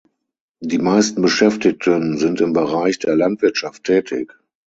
Die meisten Beschäftigten sind im Bereich der Landwirtschaft tätig.